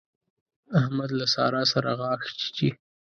احمد له سارا سره غاښ چيچي.